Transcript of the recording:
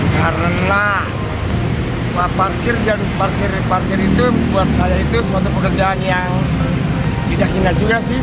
karena parkir dan parkir parkir itu buat saya itu suatu pekerjaan yang tidak hina juga sih